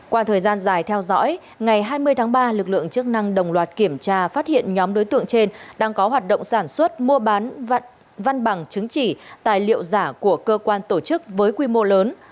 qua thời gian dài theo dõi ngày hai mươi tháng ba lực lượng chức năng đồng loạt kiểm tra phát hiện nhóm đối tượng trên đang có hoạt động sản xuất mua bán văn bằng chứng chỉ tài liệu giả của cơ quan tổ chức với quy mô lớn